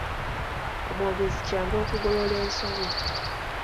Omwogezi kyangu okugolola ensobi.